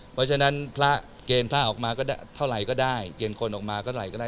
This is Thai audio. เพราะฉะนั้นเกณฑ์พระออกมาเท่าไหร่ก็ได้เกณฑ์คนออกมาเท่าไหร่ก็ได้